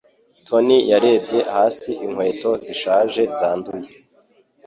Tony yarebye hasi inkweto zishaje zanduye.